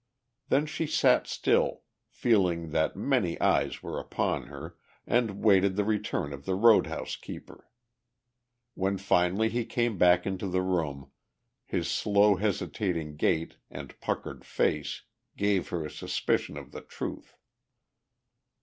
Then she sat still, feeling that many eyes were upon her and waited the return of the road house keeper. When finally he came back into the room, his slow hesitating gait and puckered face gave her a suspicion of the truth.